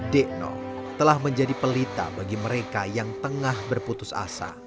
dekno telah menjadi pelita bagi mereka yang tengah berputus asa